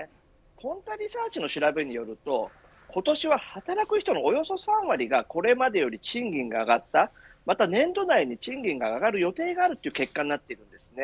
ポンタリサーチの調べによると今年は、働く人のおよそ３割がこれまでより賃金が上がったまた年度内に賃金が上がる予定があるという結果になっているんですね。